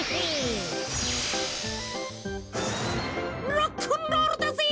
ロックンロールだぜ！